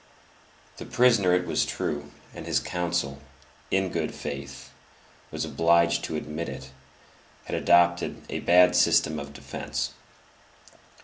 The prisoner, it was true, and his counsel, "in good faith," was obliged to admit it, had adopted "a bad system of defence."